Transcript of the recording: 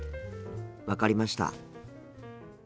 分かりました。